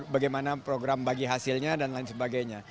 bagaimana program bagi hasilnya dan lain sebagainya